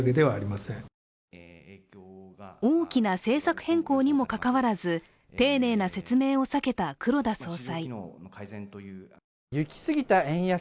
大きな政策変更にもかかわらず丁寧な説明を避けた黒田総裁。